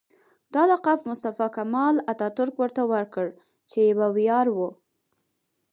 دا لقب مصطفی کمال اتاترک ورته ورکړ چې یو ویاړ و.